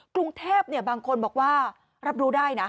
กรุงเทพบางคนบอกว่ารับรู้ได้นะ